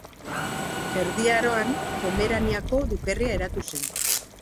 Erdi Aroan Pomeraniako dukerria eratu zen.